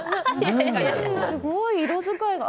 すごい、色使いが。